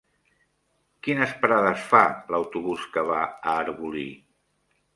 Quines parades fa l'autobús que va a Arbolí?